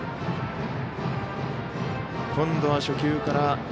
今度は初球から。